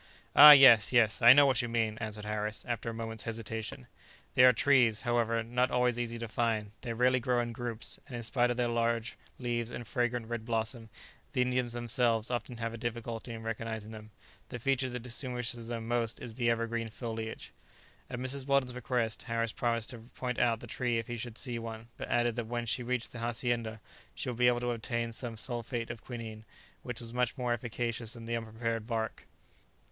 "Ah! yes, yes; I know what you mean," answered Harris, after a moment's hesitation; "they are trees, however, not always easy to find; they rarely grow in groups, and in spite of their large leaves and fragrant red blossom, the Indians themselves often have a difficulty in recognizing them; the feature that distinguishes them most is their evergreen foliage." At Mrs. Weldon's request, Harris promised to point out the tree if he should see one, but added that when she reached the hacienda, she would be able to obtain some sulphate of quinine, which was much more efficacious than the unprepared bark.